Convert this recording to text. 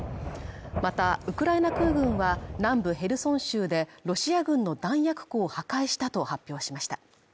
また、ウクライナ空軍は南部ヘルソン州でロシア軍の弾薬庫を破壊したと発表しました。